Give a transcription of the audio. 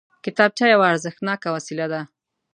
کتابچه یوه ارزښتناکه وسیله ده